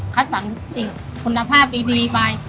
คัดสรรคุณภาพดีไป